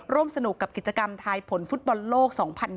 ร่วมสนุกกับกิจกรรมทายผลฟุตบอลโลก๒๐๒๐